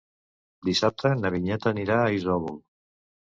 Dissabte na Vinyet anirà a Isòvol.